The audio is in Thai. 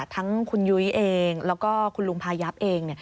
ทั้งคุณยุ้ยเองแล้วก็คุณลุงพายับเอง